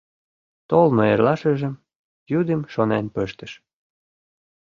Толмо эрлашыжым, йӱдым, шонен пыштыш.